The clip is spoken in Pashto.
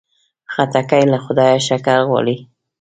خټکی له خدایه شکر غواړي.